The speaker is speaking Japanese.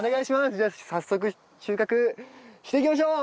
じゃあ早速収穫していきましょう！